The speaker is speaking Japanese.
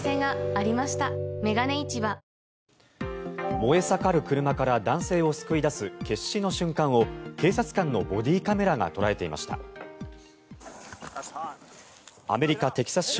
燃え盛る車から男性を救い出す決死の瞬間を警察官のボディーカメラが捉えていました。